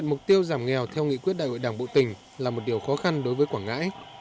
mục tiêu giảm nghèo theo nghị quyết đại hội đảng bộ tỉnh là một điều khó khăn đối với quảng ngãi